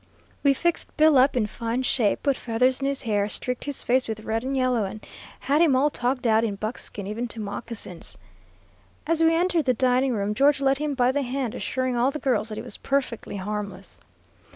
We fixed Bill up in fine shape, put feathers in his hair, streaked his face with red and yellow, and had him all togged out in buckskin, even to moccasins. As we entered the dining room, George led him by the hand, assuring all the girls that he was perfectly harmless.